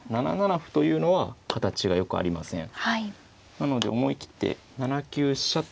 なので思い切って７九飛車と。